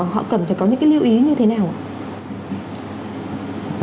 họ cần phải có những cái lưu ý như thế nào ạ